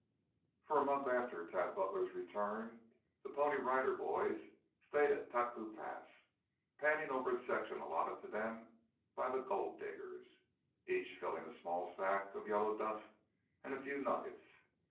For a month after Tad Butler's return the Pony Rider Boys stayed at Taku Pass, panning over a section allotted to them by the Gold Diggers, each filling a small sack with yellow dust and a few nuggets.